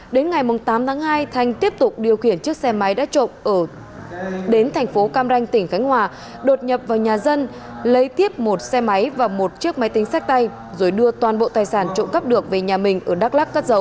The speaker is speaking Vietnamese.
đến ngày tám tháng hai thanh tiếp tục điều khiển chiếc xe máy đã trộm đến thành phố cam ranh tỉnh khánh hòa đột nhập vào nhà dân lấy tiếp một xe máy và một chiếc máy tính sách tay rồi đưa toàn bộ tài sản trộm cắp được về nhà mình ở đắk lắc cất giấu